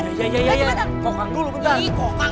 iya iya iya kokang dulu bentar